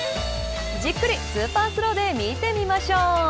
じっくりスーパースローで見てみましょう。